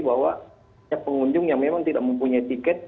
bahwa pengunjung yang memang tidak mempunyai tiket